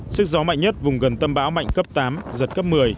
sức gió mạnh nhất vùng gần tâm bão mạnh cấp tám giật cấp một mươi